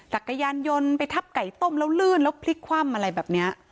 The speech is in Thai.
จักรยานยนต์ไปทับไก่ต้มแล้วลื่นแล้วพลิกคว่ำอะไรแบบนี้